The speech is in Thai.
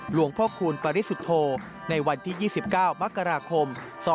หลวงพ่อคูณปริสุทธโธในวันที่๒๙มกราคม๒๕๖